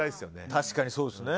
確かにそうですね。